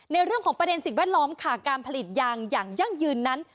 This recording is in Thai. เรื่องของประเด็นสิ่งแวดล้อมค่ะการผลิตยางอย่างยั่งยืนนั้น